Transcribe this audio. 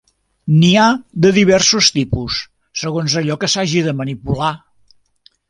N'hi ha de diversos tipus segons allò que s'hagi de manipular.